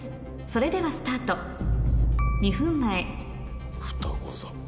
それではスタート２分前ふたご座。